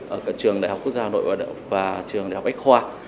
ở cả trường đại học quốc gia nội và trường đại học bách khoa